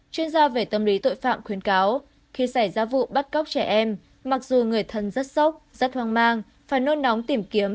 chuyên gia về tâm lý tội phạm khuyến cáo khi xảy ra vụ bắt cóc trẻ em mặc dù người thân rất sốc rất hoang mang phải nôn nóng tìm kiếm